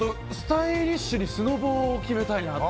スタイリッシュにスノボー、決めたいな。